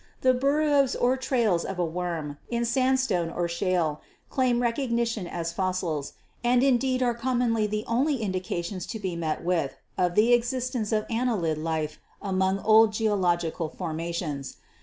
The burrows or trails of a worm, in sandstone or shale, claim recognition as fossils, and indeed are commonly the only indications to be met with of the existence of annelid life among old geological formations.